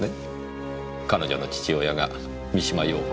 彼女の父親が三島陽子を。